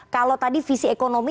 kalau tadi visi ekonomi